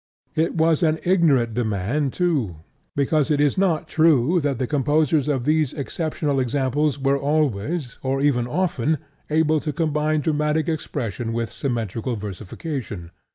It was an ignorant demand too, because it is not true that the composers of these exceptional examples were always, or even often, able to combine dramatic expression with symmetrical versification.